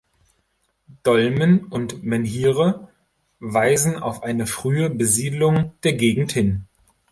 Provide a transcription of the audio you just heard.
Dolmen und Menhire weisen auf eine frühe Besiedelung der Gegend hin.